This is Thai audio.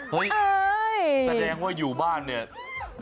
แสดงว่าอยู่บ้านเนี่ย